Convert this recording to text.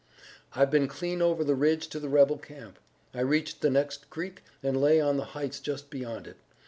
"I've been clean over the ridge to the rebel camp. I reached the next creek and lay on the heights just beyond it.